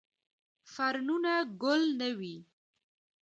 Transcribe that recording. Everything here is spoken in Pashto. فرنونه ګل نه کوي